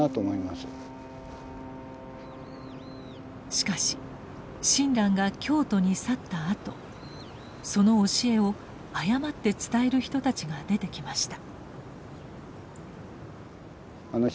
しかし親鸞が京都に去ったあとその教えを誤って伝える人たちが出てきました。